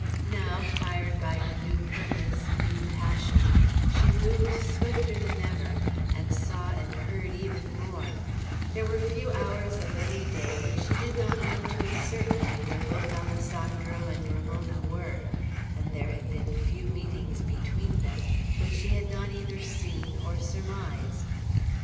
Now, fired by her new purpose, new passion, she moved swifter than ever, and saw and heard even more, There were few hours of any day when she did not know to a certainty where both Alessandro and Ramona were; and there had been few meetings between them which she had not either seen or surmised.